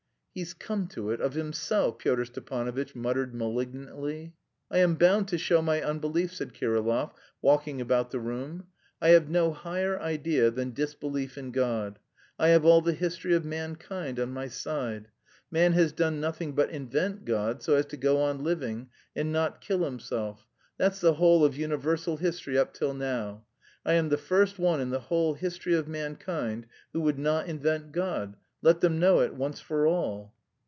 "He's come to it of himself," Pyotr Stepanovitch muttered malignantly. "I am bound to show my unbelief," said Kirillov, walking about the room. "I have no higher idea than disbelief in God. I have all the history of mankind on my side. Man has done nothing but invent God so as to go on living, and not kill himself; that's the whole of universal history up till now. I am the first one in the whole history of mankind who would not invent God. Let them know it once for all."